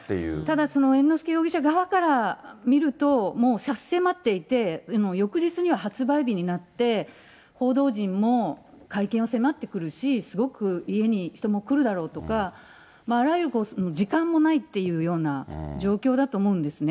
ただ、猿之助容疑者側から見ると、もう差し迫っていて、翌日には発売日になって、報道陣も会見を迫ってくるし、すごく家に人も来るだろうとか、あらゆる、時間もないっていうような状況だと思うんですね。